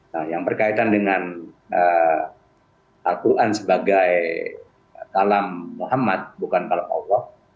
nah yang berkaitan dengan al quran sebagai kalam muhammad bukan kalam allah